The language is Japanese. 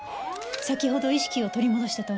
先ほど意識を取り戻したと。